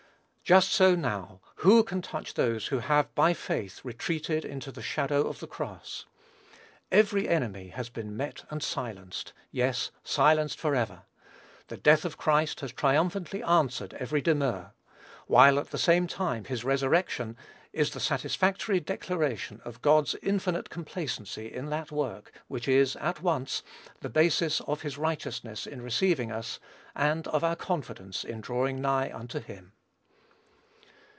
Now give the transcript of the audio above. Just so now, who can touch those who have, by faith, retreated into the shadow of the cross? Every enemy has been met and silenced, yes, silenced for ever. The death of Christ has triumphantly answered every demur; while, at the same time, his resurrection is the satisfactory declaration of God's infinite complacency in that work which is, at once, the basis of his righteousness in receiving us, and of our confidence in drawing nigh unto him.